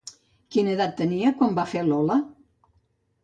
Quina edat tenia quan va fer Lola?